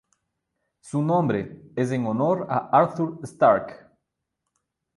Su nombre es en honor a Arthur Stark.